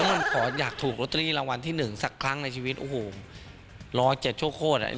แล้วมันอยากถูกรัวละเตอรี่รางวัลที่หนึ่งโอ้โหร้าเจ็บเฉิกโคตรอะ